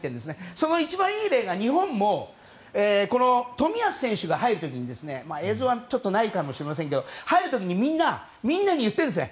その一番いい例が日本も冨安選手が入る時に映像はないかもしれませんけど入る時にみんなに言っているんですね。